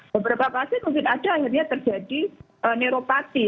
beberapa pasien mungkin ada akhirnya terjadi neuropati